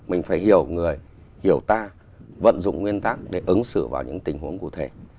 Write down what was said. mình phải hiểu người hiểu ta vận dụng nguyên tắc để ứng xử vào những tình huống cụ thể